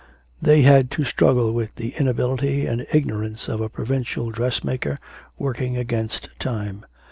They had to struggle with the inability and ignorance of a provincial dressmaker, working against time.